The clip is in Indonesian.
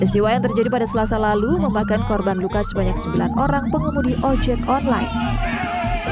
peristiwa yang terjadi pada selasa lalu memakan korban luka sebanyak sembilan orang pengemudi ojek online